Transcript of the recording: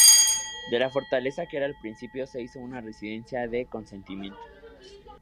De la fortaleza que era al principio, se hizo una residencia de consentimiento.